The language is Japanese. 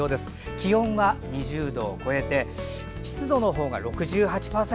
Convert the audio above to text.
気温は２０度を超えて湿度のほうが６８％。